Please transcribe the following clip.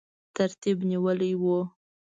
ترتیب نیولی وو.